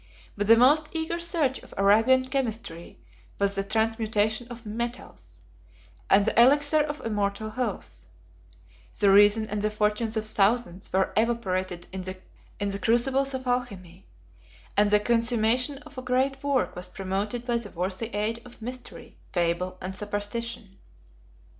But the most eager search of Arabian chemistry was the transmutation of metals, and the elixir of immortal health: the reason and the fortunes of thousands were evaporated in the crucibles of alchemy, and the consummation of the great work was promoted by the worthy aid of mystery, fable, and superstition.